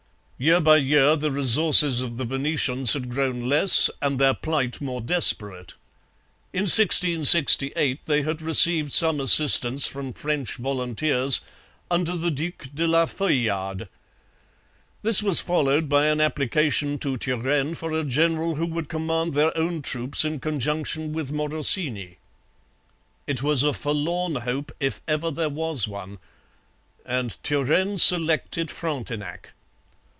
Year by year the resources of the Venetians had grown less and their plight more desperate. In 1668 they had received some assistance from French volunteers under the Duc de la Feuillade. This was followed by an application to Turenne for a general who would command their own troops in conjunction with Morosini. It was a forlorn hope if ever there was one; and Turenne selected Frontenac.